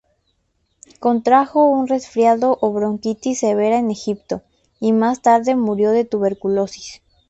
Contrajo un resfriado o bronquitis severa en Egipto, y más tarde murió de tuberculosis.